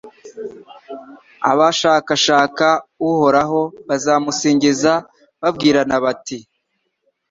abashakashaka Uhoraho bazamusingiza babwirana bati